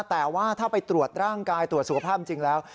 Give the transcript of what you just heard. แต่ว่าถ้าไปตรวจร่างกายตรวจสุขภาพจริงแล้ว